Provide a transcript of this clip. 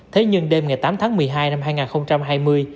thế nhưng đêm ngày tám tháng một mươi hai năm hai nghìn hai mươi